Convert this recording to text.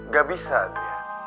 gak bisa dia